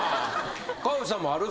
河内さんもある？